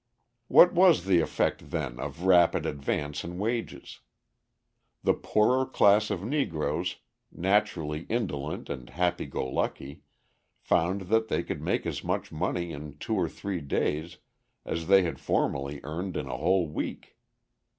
What was the effect, then, of a rapid advance in wages? The poorer class of Negroes, naturally indolent and happy go lucky, found that they could make as much money in two or three days as they had formerly earned in a whole week.